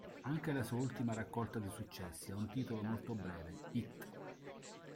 Anche la sua ultima raccolta di successi ha un titolo molto breve, "Hit".